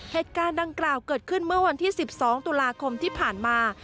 เหตุการณ์ดังกล่าวเกิดขึ้นเมื่อวันที่๑๒ตุลาคมที่ผ่านมา